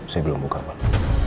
saya belum buka pak